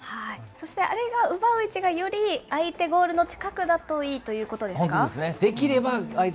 そしてあれが、奪う位置がより相手ゴールの近くだといいといそういうことですね。